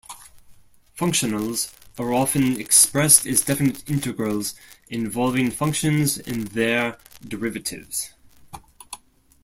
Functionals are often expressed as definite integrals involving functions and their derivatives.